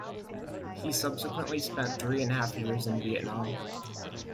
He subsequently spent three and a half years in Vietnam.